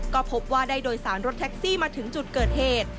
ก็พบว่าได้โดยสารรถแท็กซี่มาถึงจุดเกิดเหตุ